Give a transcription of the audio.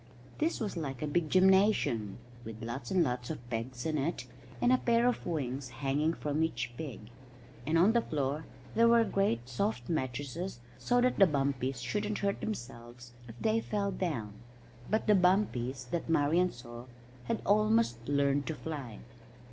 This was like a big gymnasium, with lots and lots of pegs in it, and a pair of wings hanging from each peg; and on the floor there were great soft mattresses so that the bumpies shouldn't hurt themselves if they fell down. But the bumpies that Marian saw had almost learned to fly.